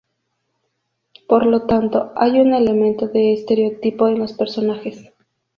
Por lo tanto, hay un elemento de estereotipo en los personajes.